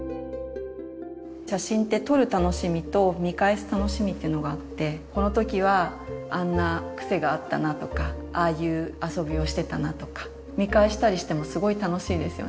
写真って撮る楽しみと見返す楽しみっていうのがあってこの時はあんな癖があったなとかああいう遊びをしてたなとか見返したりしてもすごい楽しいですよね。